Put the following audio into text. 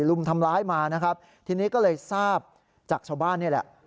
ลุมทำร้ายมานะครับทีนี้ก็เลยทราบจากชาวบ้านนี่แหละ